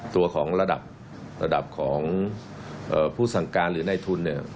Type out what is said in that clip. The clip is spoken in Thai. ตัวของระดับระดับของผู้สั่งการหรือในทุนเนี่ย